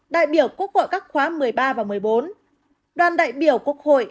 đại biểu quốc hội các khóa một mươi ba và một mươi bốn đoàn đại biểu quốc hội